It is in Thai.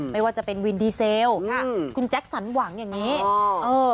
ไม่ว่าจะเป็นวินดีเซลค่ะคุณแจ็คสันหวังอย่างนี้